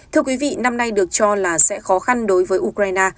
thưa quý vị năm nay được cho là sẽ khó khăn đối với ukraine